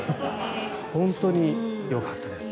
本当によかったです。